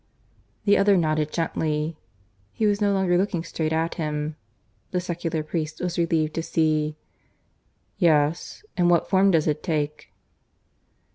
The other nodded gently. He was no longer looking straight at him, the secular priest was relieved to see. "Yes? And what form does it take?"